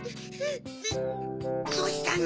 どうしたの？